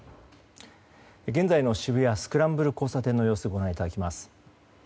現在の渋谷スクランブル交差点の様子をご覧いただきます。